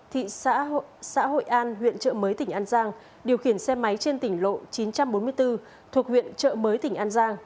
thị xã hội an huyện trợ mới tỉnh an giang điều khiển xe máy trên tỉnh lộ chín trăm bốn mươi bốn thuộc huyện trợ mới tỉnh an giang